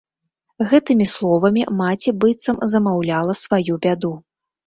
Гэтымі словамі маці быццам замаўляла сваю бяду.